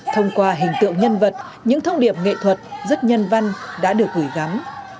thông qua hình tượng nhân vật những thông điệp nghệ thuật rất nhân văn đã được gửi gắm